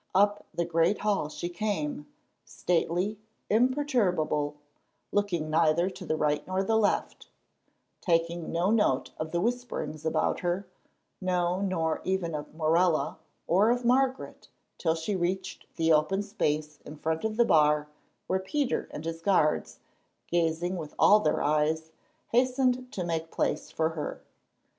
Up the great hall she came, stately, imperturbable, looking neither to the right nor to the left, taking no note of the whisperings about her, no, nor even of Morella or of Margaret, till she reached the open space in front of the bar where Peter and his guards, gazing with all their eyes, hastened to make place for her.